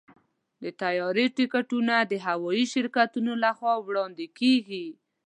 د طیارې ټکټونه د هوايي شرکتونو لخوا وړاندې کېږي.